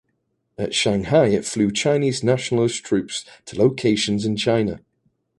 At Shanghai it flew Chinese Nationalist troops to locations in China.